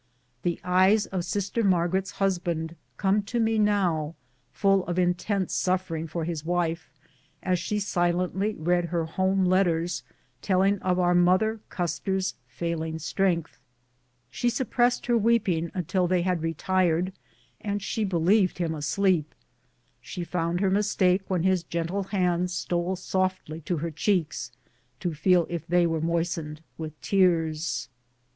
The eyes of sister Margaret's husband come to me now, full of intense suffering for his wife, as she silently read her home letters telling of our mother Custer's failing strength. She suppressed PERTLEXITIES AND PLEASURES OF DOMESTIC LIFE. 127 her weeping until they had retired and she believed him asleep. She found her mistake when his gentle hands stole softly to her cheeks to feel if they were moistened with tears.